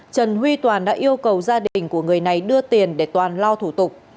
trần huy toàn đã yêu cầu gia đình của người này đưa tiền để toàn lo thủ tục